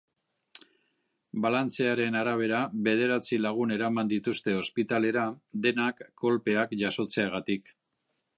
Balantzearen arabera, bederatzi lagun eraman dituzte ospitalera, denak kolpeak jasotzeagatik.